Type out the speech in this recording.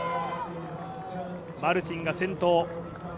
マルティンが先頭。